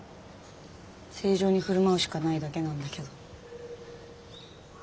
正常に振る舞うしかないだけなんだけど。